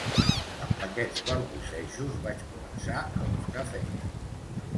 Amb aquests balbucejos vaig començar a buscar feina.